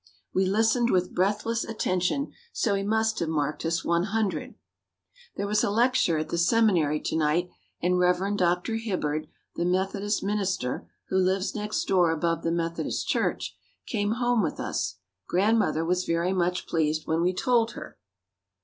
We listened with breathless attention, so he must have marked us 100. There was a lecture at the seminary to night and Rev. Dr. Hibbard, the Methodist minister, who lives next door above the Methodist church, came home with us. Grandmother was very much pleased when we told her.